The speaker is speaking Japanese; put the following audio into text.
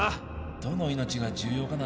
どの命が重要かなんて